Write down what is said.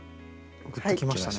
グッときましたね。